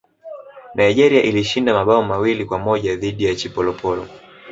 nigeria ilishinda mabao mawili kwa moja dhidi ya chipolopolo